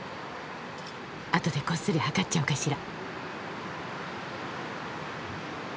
あとでこっそり測っちゃおうかしら。